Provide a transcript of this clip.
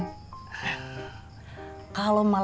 bicara tak urus